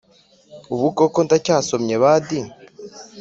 Ubu koko ndacyasomyebadi